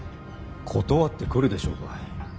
断ってくるでしょうか。